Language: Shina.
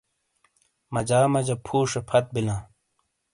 مجا مجا پھُوشے پھت بِیلاں۔